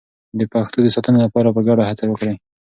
د پښتو د ساتنې لپاره په ګډه هڅه وکړئ.